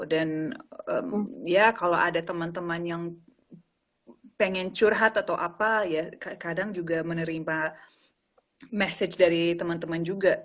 dan ya kalau ada teman teman yang pengen curhat atau apa ya kadang juga menerima message dari teman teman juga